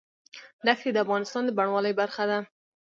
دښتې د افغانستان د بڼوالۍ برخه ده.